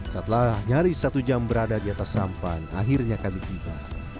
setelah nyaris satu jam berada di atas sampan akhirnya kami tiba